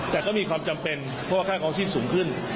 แต่ก็มีความจำเป็นเพราะว่าค่าคลองชีพสูงขึ้น